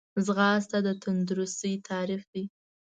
ځغاسته د تندرستۍ تعریف دی